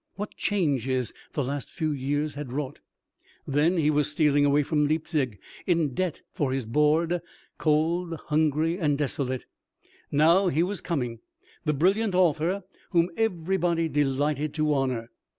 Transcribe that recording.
What changes the last few years had wrought! Then he was stealing away from Leipzig in debt for his board, cold, hungry, and desolate; now he was coming, the brilliant author whom everybody delighted to honor.